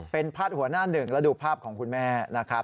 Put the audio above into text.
เป็นพาดหัวหน้าหนึ่งและดูภาพของคุณแม่นะครับ